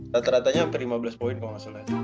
rata ratanya hampir lima belas poin kalo gak salah